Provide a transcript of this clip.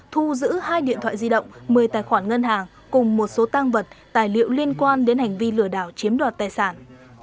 thu giữ hai điện thoại di động một mươi tài khoản ngân hàng cùng một số tăng vật tài liệu liên quan đến hành vi lừa đảo chiếm đoạt tài sản